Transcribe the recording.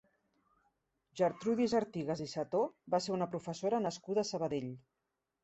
Gertrudis Artigas i Setó va ser una professora nascuda a Sabadell.